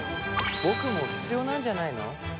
僕も必要なんじゃないの？